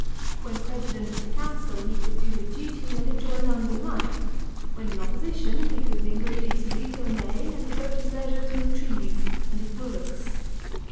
When President of the Council, he could do his duty and enjoy London life. When in opposition, he could linger in Italy till May and devote his leisure to his trees and his bullocks.